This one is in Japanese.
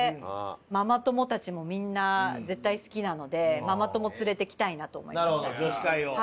ママ友たちもみんな絶対好きなのでママ友連れてきたいなと思いました。